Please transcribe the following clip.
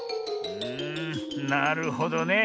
うんなるほどね。